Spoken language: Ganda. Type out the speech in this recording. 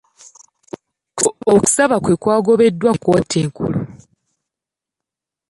Okusaba kwe kwagobeddwa kkooti enkulu.